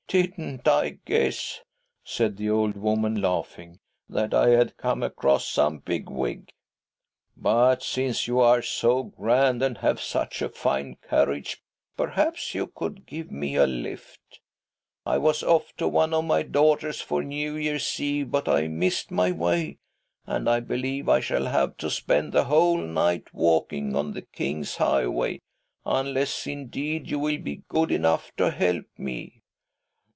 " Didn't I guess," said the old woman, laughing, " that I had come across some big wig ? But since you are so grand and have such a fine carriage, perhaps you could give me a lif t ? I was off to one of my daughters for New Year's Eve, but I missed my way, and I believe I shall have to spend the whole night walking on the King's highway, unless indeed you will be good enough to help me."